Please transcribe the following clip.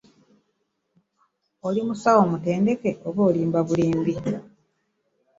Oli musawo mutendeke oba olimba bulimbi?